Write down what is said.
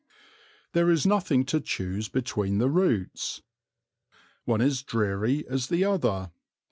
There is nothing to choose between the routes. One is dreary as the other.